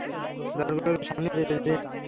দলগুলোকে সামনে যেতে দিন।